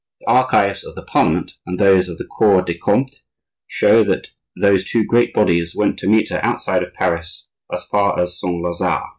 The archives of the Parliament, and those of the Cour des Comptes, show that those two great bodies went to meet her outside of Paris as far as Saint Lazare.